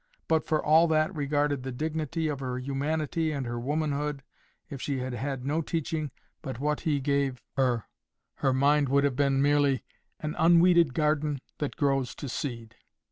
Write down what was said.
But for all that regarded the dignity of her humanity and her womanhood, if she had had no teaching but what he gave her, her mind would have been merely "an unweeded garden that grows to seed."